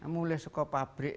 mulai dari pabrik